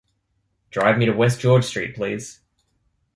Drive me to West George Street please.